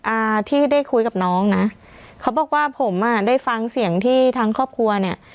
อ่าที่ได้คุยกับน้องนะเขาบอกว่าผมอ่ะได้ฟังเสียงที่ทางครอบครัวเนี้ย